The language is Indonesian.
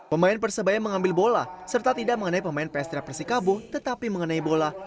pemain persebaya mengambil bola serta tidak mengenai pemain pstra persikabo tetapi mengenai bola